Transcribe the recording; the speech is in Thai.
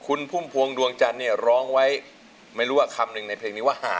คุณพุ่มพวงดวงจันทร์เนี่ยร้องไว้ไม่รู้ว่าคำหนึ่งในเพลงนี้ว่า